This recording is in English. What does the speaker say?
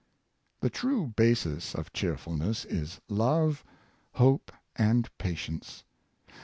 The true basis of cheerfulness is love, hope, and pa tience.